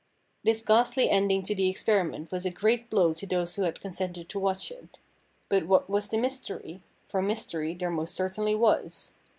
This ghastly ending to the experiment was a great blow to those who had consented to watch it. But what was the mys tery '? for mystery there most certainly was.